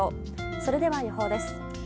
それでは予報です。